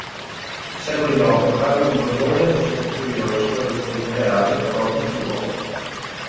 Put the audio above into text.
Secoli dopo, Carlo di Borbone fece costruire una sua residenza reale proprio sul luogo.